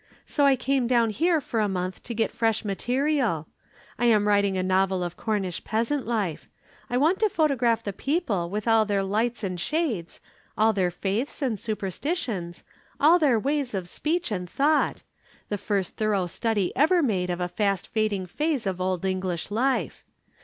"So I came down here for a month to get fresh material. I am writing a novel of Cornish peasant life I want to photograph the people with all their lights and shades, all their faiths and superstitions, all their ways of speech and thought the first thorough study ever made of a fast fading phase of Old English life.